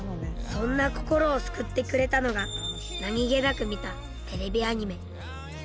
そんな心を救ってくれたのが何気なく見たテレビアニメ。